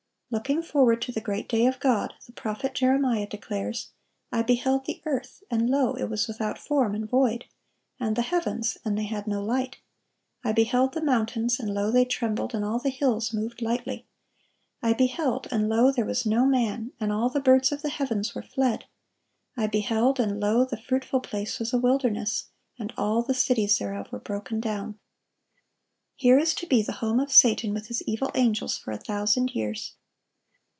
Looking forward to the great day of God, the prophet Jeremiah declares: "I beheld the earth, and, lo, it was without form, and void; and the heavens, and they had no light. I beheld the mountains, and, lo, they trembled, and all the hills moved lightly. I beheld, and, lo, there was no man, and all the birds of the heavens were fled. I beheld, and, lo, the fruitful place was a wilderness, and all the cities thereof were broken down."(1145) Here is to be the home of Satan with his evil angels for a thousand years.